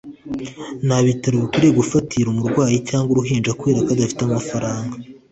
nta bitaro bikwiye gufatira umurwayi cyangwa uruhinja kubera ko adafite amafaranga.